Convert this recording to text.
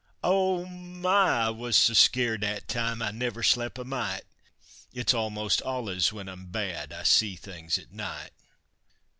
Oh, my! I was so skeered that time I never slep' a mite It's almost alluz when I'm bad I see things at night!